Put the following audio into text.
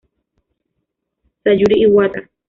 Sayuri Iwata